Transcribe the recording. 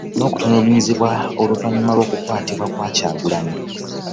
N'okutulugunyizibwa, oluvannyuma lw'okukwatibwa Kyagulanyi